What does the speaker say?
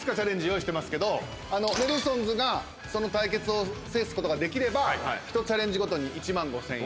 用意してますけどネルソンズがその対決を制すことができれば１チャレンジごとに１万５，０００円。